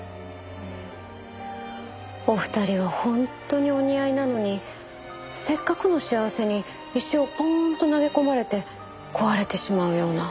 お二人は本当にお似合いなのにせっかくの幸せに石をポーンと投げ込まれて壊れてしまうような。